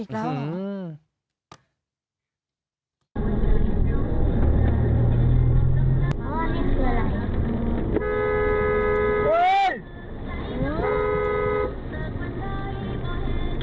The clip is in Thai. อีกแล้วเหรอ